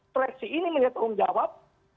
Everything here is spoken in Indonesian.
koleksi ini menurut jawab